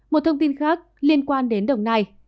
một thông tin khác liên quan đến đồng này